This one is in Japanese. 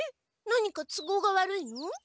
何か都合が悪いの？